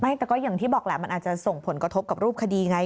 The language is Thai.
แต่ก็อย่างที่บอกแหละมันอาจจะส่งผลกระทบกับรูปคดีไง